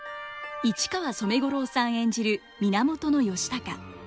市川染五郎さん演じる源義高。